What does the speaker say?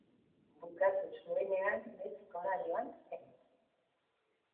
Bukatu zuenean Mexikora joan zen.